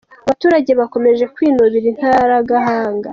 Abaturage bakomeje kwinubira Intaragahanga’